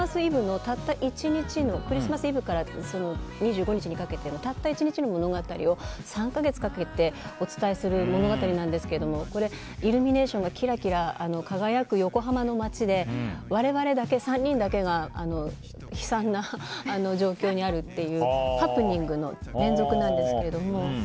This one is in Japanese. クリスマスイブから２５日にかけてのたった１日の物語を３か月かけてお伝えする物語なんですがイルミネーションがキラキラ輝く横浜の街で我々３人だけが悲惨な状況にあるっていうハプニングの連続なんですけれども。